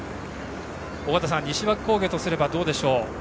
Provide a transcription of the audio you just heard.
尾方さん、西脇工業とすればどうでしょう？